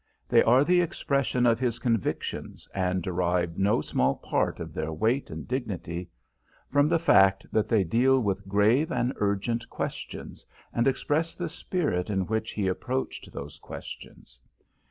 They are the expression of his convictions, and derive no small part of their weight and dignity from the fact that they deal with grave and urgent questions, and express the spirit in which he approached those questions.